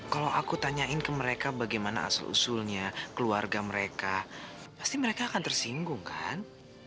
kalau aku tanyain ke mereka bagaimana asal usulnya keluarga mereka pasti mereka akan tersinggung kan